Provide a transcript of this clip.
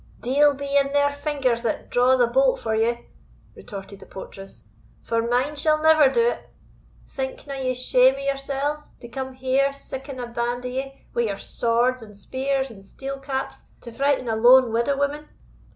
"Deil be in their fingers that draws a bolt for ye," retorted the portress; "for mine shall never do it. Thinkna ye shame o' yoursells, to come here siccan a band o' ye, wi' your swords, and spears, and steel caps, to frighten a lone widow woman?"